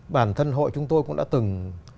bản thân hội chúng tôi cũng đã từng